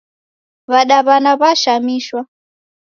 W'adaw'ana w'ashamishwa